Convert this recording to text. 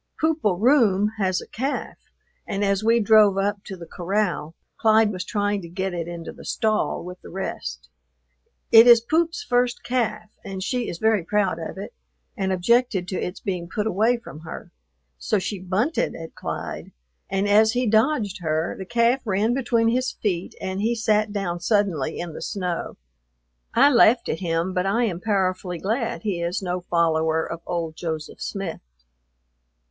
"Poop o' Roome" has a calf, and as we drove up to the corral Clyde was trying to get it into the stall with the rest. It is "Poop's" first calf, and she is very proud of it, and objected to its being put away from her, so she bunted at Clyde, and as he dodged her, the calf ran between his feet and he sat down suddenly in the snow. I laughed at him, but I am powerfully glad he is no follower of old Joseph Smith.